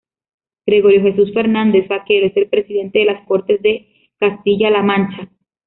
Gregorio Jesús Fernández Vaquero es el Presidente de las Cortes de Castilla-La Mancha.